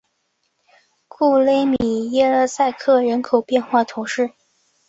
库勒米耶勒塞克人口变化图示